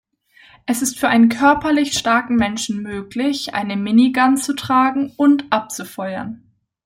Es ist für einen körperlich starken Menschen möglich eine Minigun zu tragen und abzufeuern.